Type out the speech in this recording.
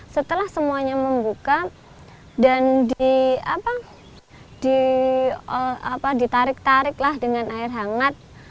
setelah semuanya membuka ditarik tarik dengan air hangat